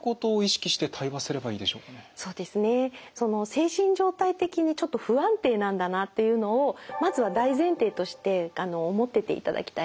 精神状態的にちょっと不安定なんだなっていうのをまずは大前提として思ってていただきたいんですよね。